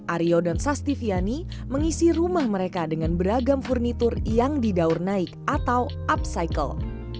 aryo dan sastiviani mengisi rumah mereka dengan beragam furnitur yang didaur naik atau upcycle